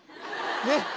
ねっ。